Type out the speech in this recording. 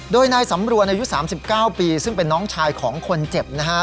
โดยนายสำรวนอายุ๓๙ปีซึ่งเป็นน้องชายของคนเจ็บนะฮะ